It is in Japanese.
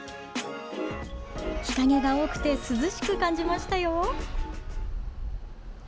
日陰が多くて涼しく感じましたよ。